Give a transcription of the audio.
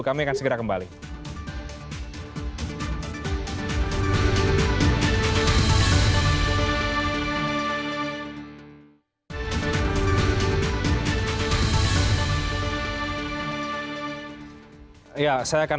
kami akan segera kembali